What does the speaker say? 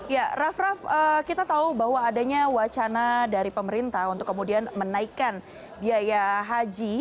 ya raff raff kita tahu bahwa adanya wacana dari pemerintah untuk kemudian menaikkan biaya haji